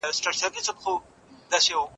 هر بدن بېل اړتیا لري.